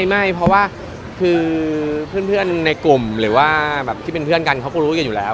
ไม่เพราะว่าคือเพื่อนในกลุ่มหรือว่าแบบที่เป็นเพื่อนกันเขาก็รู้กันอยู่แล้ว